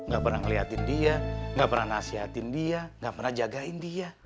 gak pernah ngeliatin dia gak pernah nasihatin dia gak pernah jagain dia